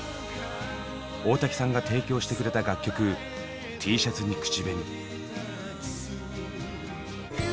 大滝さんが提供してくれた楽曲「Ｔシャツに口紅」。